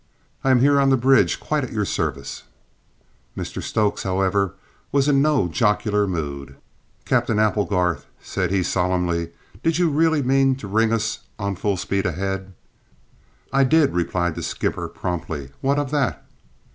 "I am here on the bridge, quite at your service." Mr Stokes, however, was in no jocular mood. "Cap'en Applegarth," said he solemnly, "did you really mean to ring us on full speed ahead?" "I did," replied the skipper promptly. "What of that?"